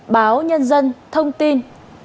báo nhân dân thông tin